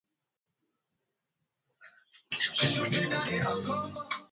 Tisa mwezi Disemba mwaka wa elfu mbili ishirini na moja, ikiwasilisha ukuaji wa asilimia arobaini na nne.